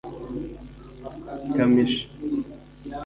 Kamichi